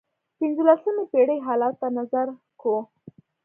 پنځلسمې پېړۍ حالاتو ته نظر کوو.